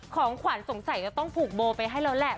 ของขวัญสงสัยจะต้องผูกโบไปให้แล้วแหละ